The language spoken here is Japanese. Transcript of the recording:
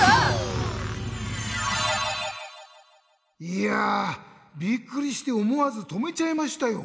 いやびっくりしておもわずとめちゃいましたよ。